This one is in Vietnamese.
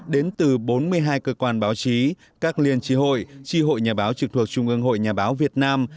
đến từ bốn mươi hai cơ quan báo chí các liên tri hội tri hội nhà báo trực thuộc trung ương hội nhà báo việt nam